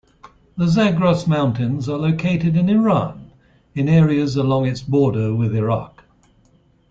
The Zagros Mountains are located in Iran, in areas along its border with Iraq.